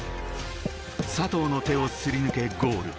佐藤の手をすり抜け、ゴール。